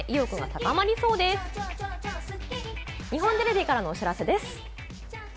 日本テレビからのお知らせです。